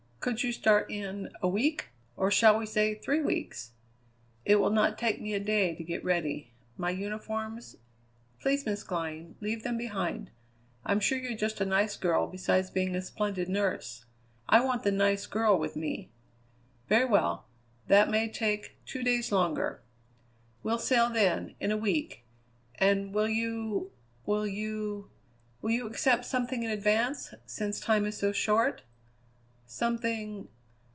Could you start in a week? Or shall we say three weeks?" "It will not take me a day to get ready. My uniforms " "Please, Miss Glynn, leave them behind. I'm sure you're just a nice girl besides being a splendid nurse. I want the nice girl with me." "Very well. That may take two days longer." "We'll sail, then, in a week. And will you will you will you accept something in advance, since time is so short?" "Something